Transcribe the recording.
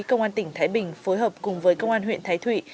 công an tỉnh thái bình phối hợp cùng với công an huyện thái thụy